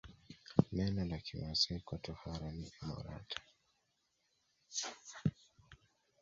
Neno la Kimasai kwa tohara ni emorata